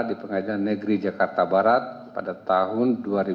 di pengajian negeri jakarta barat pada tahun dua ribu sembilan belas